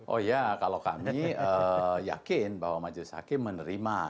oh ya kalau kami yakin bahwa majelis hakim menerima